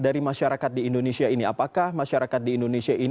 apakah masyarakat di indonesia ini kalau dari segi psikologi kesejahteraan atau penyelamatan